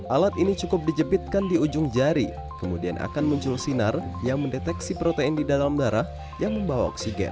alat ini cukup dijepitkan di ujung jari kemudian akan muncul sinar yang mendeteksi protein di dalam darah yang membawa oksigen